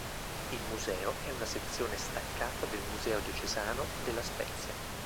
Il museo è una sezione staccata del museo diocesano della Spezia.